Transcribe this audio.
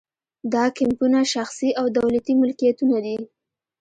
دا کیمپونه شخصي او دولتي ملکیتونه دي